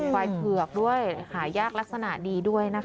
ควายเผือกด้วยหายากลักษณะดีด้วยนะคะ